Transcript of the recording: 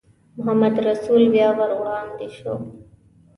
محمدرسول بیا ور وړاندې شو.